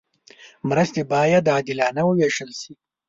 مرستې باید عادلانه وویشل شي.